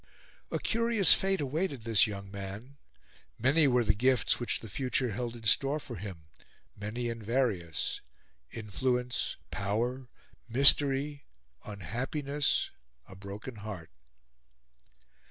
A curious fate awaited this young man; many were the gifts which the future held in store for him many and various influence, power, mystery, unhappiness, a broken heart.